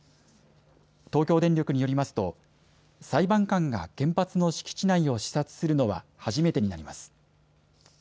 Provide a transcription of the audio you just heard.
東京電力によりますと裁判官が原発の敷地内を視察するのは初めてになります。